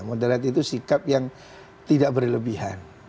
moderat itu sikap yang tidak berlebihan